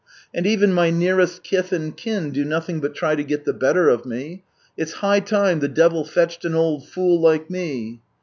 And even my nearest kith and kin do nothing but try to get the better of me. It's high time the devil fetched an old fool like me.